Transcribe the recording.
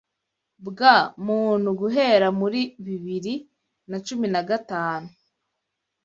bwa muntu guhera muri bibiri na cumi nagatanu